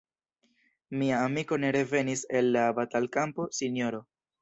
“Mia amiko ne revenis el la batalkampo, sinjoro.